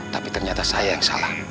tapi ternyata saya yang salah